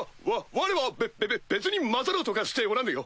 われはべべべ別に交ざろうとかしておらぬよ。